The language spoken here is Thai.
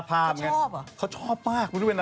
ผมบอกทำไมชิง